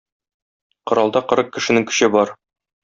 Коралда кырык кешенең көче бар.